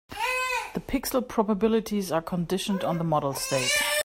The pixel probabilities are conditioned on the model state.